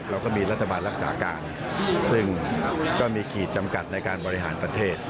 เราก็มีรัฐบาลรักษาการซึ่งก็มีขีดจำกัดในการบริหารประเทศ